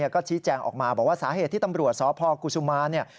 ก็ชี้แจงออกมาบอกว่าสาเหตุที่ตำรวจสพกุศุมานเนี่ย